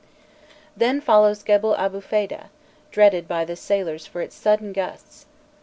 Then follows Gebel Abûfêda, dreaded by the sailors for its sudden gusts.